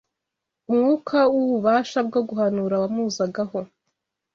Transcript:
umwuka w’ububasha bwo guhanura wamuzagaho.